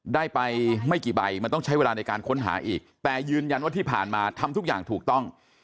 ได้ไปไม่กี่ใบมันต้องใช้เวลาในการค้นหาอีกแต่ยืนยันว่าที่ผ่านมาทำทุกอย่างถูกต้อง